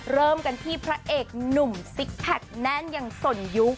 เริ่มกันที่พระเอกหนุ่มซิกแพคแน่นอย่างสนยุค